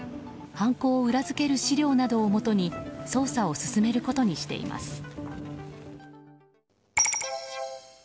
犯行を裏付ける資料などをもとに捜査を進めることにしています。